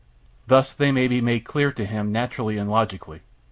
Thus they may be made clear to him naturally and logically.